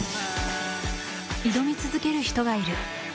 挑み続ける人がいる。